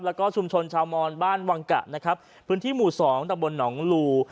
และชุมชนชาวมอนบ้านวางกะผึ้นที่หมู่๒ต่างบนหนองรู